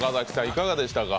いかがでしたか。